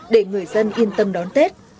để người dân yên tâm đón tết